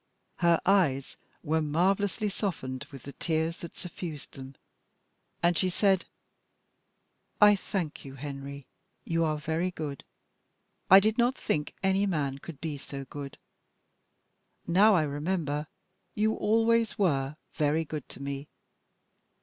Her eyes were marvellously softened with the tears that suffused them, and she said "I thank you, Henry. You are very good. I did not think any man could be so good. Now I remember, you always were very good to me.